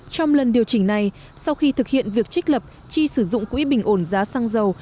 trong lần điều chỉnh này sau khi thực hiện việc trích lập chi sử dụng quỹ bình ổn giá xăng dầu